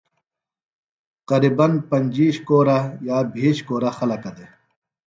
قرِباً پنجِیش کورہ یا بھیش کورہ خلَکہ دےۡ